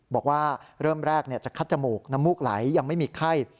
บอกว่าเริ่มแรกจะคัดจมูกน้ำมูกไหลยังไม่มีไข้